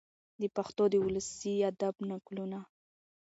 د پښتو د ولسي ادب نکلونه،